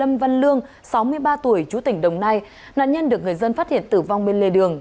lâm văn lương sáu mươi ba tuổi chú tỉnh đồng nai nạn nhân được người dân phát hiện tử vong bên lề đường